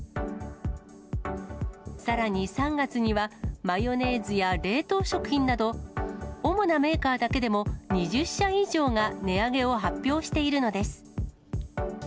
さらに３月には、マヨネーズや冷凍食品など、主なメーカーだけでも２０社以上が値上げを発表しているのです。